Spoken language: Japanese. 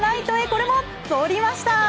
これもとりました！